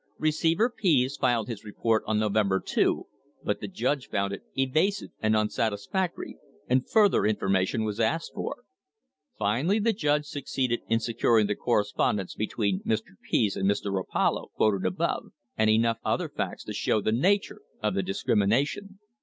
Receiver Pease filed his report on November 2, but the judge found it "evasive and unsatisfactory," and further information was asked for. Finally the judge succeeded in securing the correspondence between Mr. Pease and Mr. Rapallo, quoted above, and enough other facts to show the nature of the discrimination.